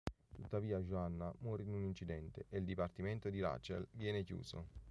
Tuttavia Joanna muore in un incidente e il dipartimento di Rachel viene chiuso.